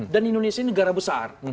dan indonesia ini negara besar